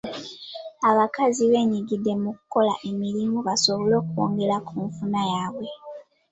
Abakazi beenyigidde mu kukola emirimu basobole okwongera ku nfuna yaabwe.